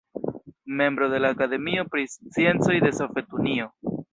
Membro de la Akademio pri Sciencoj de Sovetunio.